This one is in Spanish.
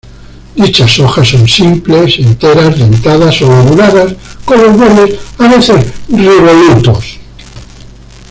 Dichas hojas son simples, enteras, dentadas o lobuladas con los bordes a veces revolutos.